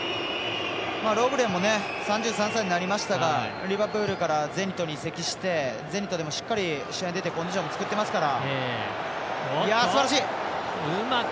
ロブレンも３３歳になりましたがリバプールからゼニトに移籍してゼニトでもしっかり試合に出てコンディションも作ってますから。